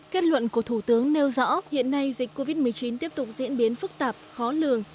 kết luận của thủ tướng nêu rõ hiện nay dịch covid một mươi chín tiếp tục diễn biến phức tạp khó lường